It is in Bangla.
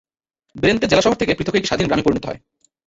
বেরেন্তে জেলা শহর থেকে পৃথক হয়ে একটি স্বাধীন গ্রামে পরিণত হয়।